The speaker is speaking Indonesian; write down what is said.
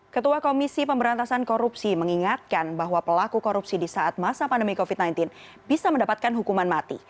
ketua komisi pemberantasan korupsi mengingatkan bahwa pelaku korupsi di saat masa pandemi covid sembilan belas bisa mendapatkan hukuman mati